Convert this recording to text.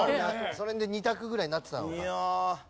その辺で２択ぐらいになってたのか。